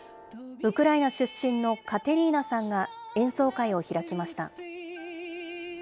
ウクライナ出身のカテリーナさんが演奏会を開きました。